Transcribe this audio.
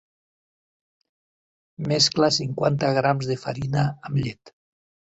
Mescla cinquanta grams de farina amb llet.